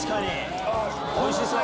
おいしそう！